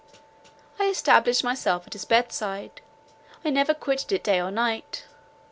I established myself at his bedside; I never quitted it day or night.